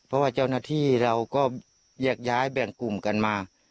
เพราะว่าเจ้าหน้าที่เราก็แยกย้ายแบ่งกลุ่มกันมา